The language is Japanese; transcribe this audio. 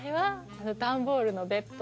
あの段ボールのベッド。